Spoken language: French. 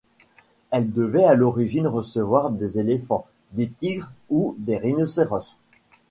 Elle devait à l'origine recevoir des éléphants, des tigres ou des rhinocéros.